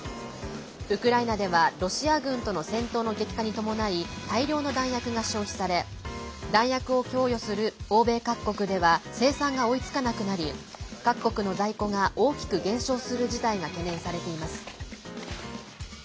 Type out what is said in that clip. ウクライナではロシア軍との戦闘の激化に伴い大量の弾薬が消費され弾薬を供与する欧米各国では生産が追いつかなくなり各国の在庫が大きく減少する事態が懸念されています。